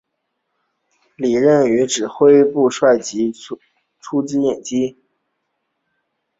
李任与指挥顾福帅精骑出城掩击袭击。